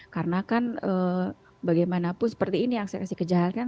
karena kan bagaimanapun seperti ini aksi aksi kejahatan